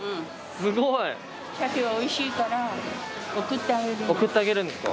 すごい！鮭がおいしいから送ってあげるんです。